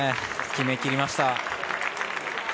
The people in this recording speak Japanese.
決めきりました。